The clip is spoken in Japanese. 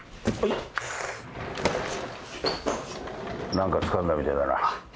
何かつかんだみたいだな。